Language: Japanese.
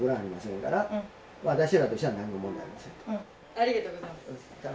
ありがとうございます。